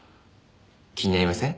気になりません？